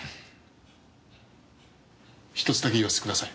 １つだけ言わせてください。